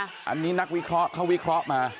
อันนี้นักวิเคราะห์เขาวิเคราะห์มา